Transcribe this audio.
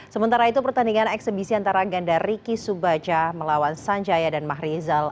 sementara itu pertandingan eksebisi antara ganda riki subaja melawan sanjaya dan mahrizal